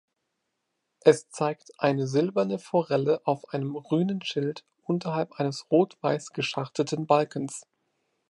Es zeigt eine silberne Forelle auf einem grünen Schild unterhalb eines rot-weiß geschachten Balkens.